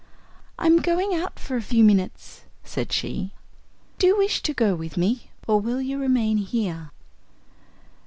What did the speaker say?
"I'm going out for a few minutes," said she; "do you wish to go with me, or will you remain here?"